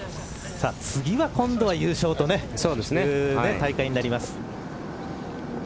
次は今度は優勝という大会になります。